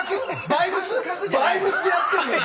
バイブスでやってんのよ。